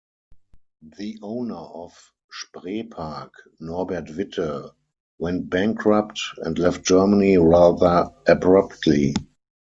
The owner of Spreepark, Norbert Witte, went bankrupt and left Germany rather abruptly.